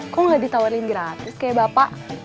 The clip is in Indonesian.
kok nggak ditawarin gratis kayak bapak